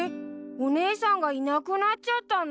お姉さんがいなくなっちゃったの！？